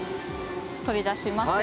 取り出します。